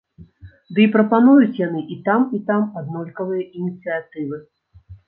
Ды і прапануюць яны і там, і там аднолькавыя ініцыятывы.